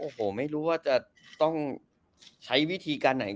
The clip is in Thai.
โอ้โหไม่รู้ว่าจะต้องใช้วิธีการไหน